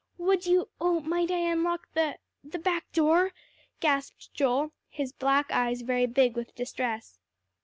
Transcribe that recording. "Would you oh, might I unlock the the back door?" gasped Joel, his black eyes very big with distress.